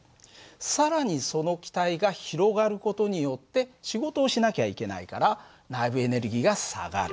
更にその気体が広がる事によって仕事をしなきゃいけないから内部エネルギーが下がる。